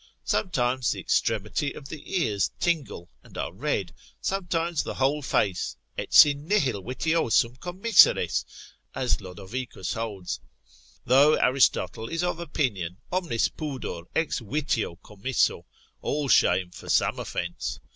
Sometimes the extremity of the ears tingle, and are red, sometimes the whole face, Etsi nihil vitiosum commiseris, as Lodovicus holds: though Aristotle is of opinion, omnis pudor ex vitio commisso, all shame for some offence.